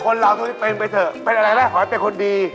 คนหลัวหนูที่เป็นไปเถอะเป็นอะไรหรือเปล่าอยากเป็นคนดี